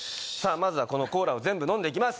まずはこのコーラを全部飲んでいきます